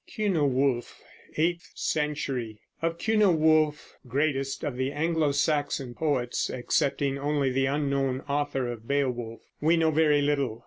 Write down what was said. CYNEWULF (Eighth Century) Of Cynewulf, greatest of the Anglo Saxon poets, excepting only the unknown author of Beowulf, we know very little.